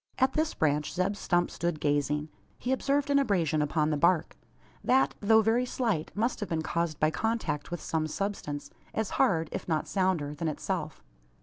At this branch Zeb Stump stood gazing. He observed an abrasion upon the bark; that, though very slight, must have been caused by contact with some substance, as hard, if not sounder, than itself.